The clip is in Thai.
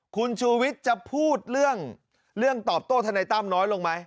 คุณชูวิทย์จะพูดเรื่องตอบโต้ธนายตั้มน้อยลงไหม